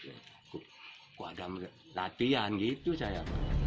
kok ada latihan gitu saya